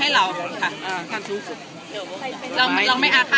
เหมือนที่ใครไม่สัมภาษณ์มา